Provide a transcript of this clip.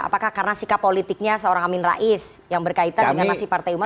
apakah karena sikap politiknya seorang amin rais yang berkaitan dengan masih partai umat menjadi seperti itu